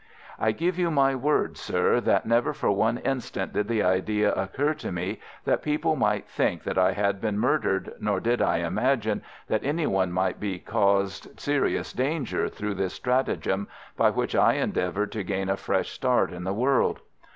"I give you my word, sir, that never for one instant did the idea occur to me that people might think that I had been murdered, nor did I imagine that any one might be caused serious danger through this stratagem by which I endeavoured to gain a fresh start in the world.